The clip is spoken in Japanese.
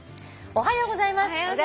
「おはようございます。